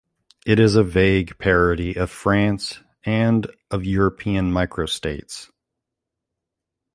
It is a vague parody of France and of European microstates.